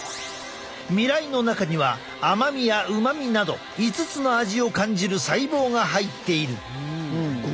味蕾の中には甘みや旨味など５つの味を感じる細胞が入っている。